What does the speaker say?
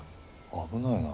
危ないな。